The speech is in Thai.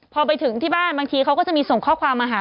พอไปถึงที่บ้านบางทีเขาก็จะมีส่งข้อความมาหา